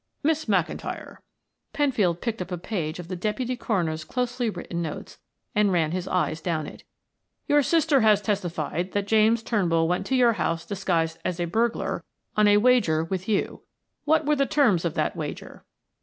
"Miss McIntyre," Penfield picked up a page of the deputy coroner's closely written notes, and ran his eyes down it. "Your sister has testified that James Turnbull went to your house disguised as a burglar on a wager with you. What were the terms of that wager?"